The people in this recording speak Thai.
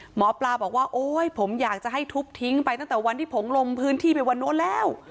หมอปลาบอกว่าโอ๊ยผมอยากจะให้ทุบทิ้งไปตั้งแต่วันที่ผมลงพื้นที่ไปวันโน้นแล้ว